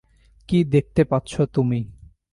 কী দেখতে পাচ্ছ তুমি?